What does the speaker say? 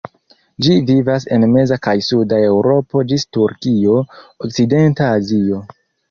Ĝi vivas en meza kaj suda Eŭropo ĝis Turkio, okcidenta Azio.